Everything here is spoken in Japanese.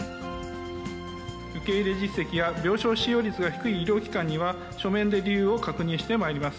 受け入れ実績や病床使用率が低い医療機関には、書面で理由を確認してまいります。